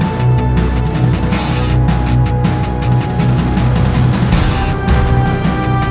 aku harus ikut berjaga